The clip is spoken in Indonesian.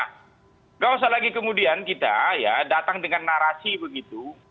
tidak usah lagi kemudian kita ya datang dengan narasi begitu